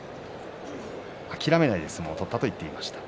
諦めないで相撲を取ったと言ってました。